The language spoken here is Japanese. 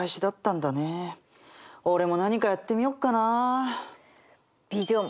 俺も何かやってみよっかな。